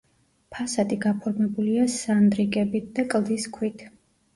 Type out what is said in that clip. ფასადი გაფორმებულია სანდრიკებით და კლდის ქვით.